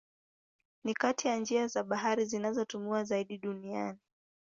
Ni kati ya njia za bahari zinazotumiwa zaidi duniani.